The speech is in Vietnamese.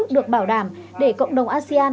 được bảo đảm để cộng đồng asean